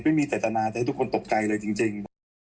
ไม่มีจัตรนาจะให้ทุกคนตกใจอะไรจริง